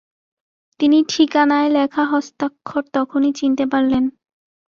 তিনি ঠিকানায় লেখা হস্তাক্ষর তখুনি চিনতে পারলেন।